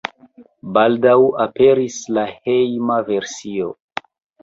Baldaŭ aperis la hejma versio.